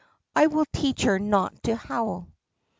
"I will teach her not to howl."